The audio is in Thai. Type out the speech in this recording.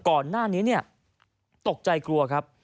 ก่อนหน้านี้เนี่ยตกใจกลัวครับ